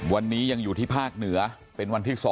วันนี้ยังอยู่ที่ภาคเหนือเป็นวันที่๒